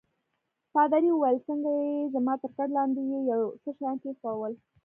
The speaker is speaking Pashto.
پادري وویل: څنګه يې؟ زما تر کټ لاندي يې یو څه شیان کښېښوول.